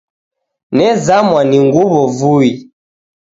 Nezamwa ni nguw'o vui.